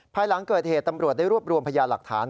ภายหลังเกิดเหตุตำรวจได้รวบรวมพยานหลักฐาน